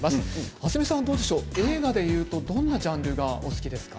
明日海さんは映画でいうとどんなジャンルがお好きですか？